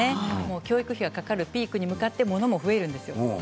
教育費がかかるピークに向かってものも増えていくんです。